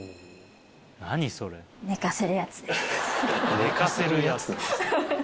「寝かせるやつです」？